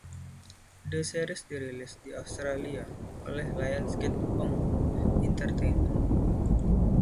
The Series dirilis di Australia oleh Lionsgate Home Entertainment.